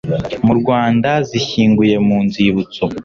mu rwanda zishyinguye mu nzibutso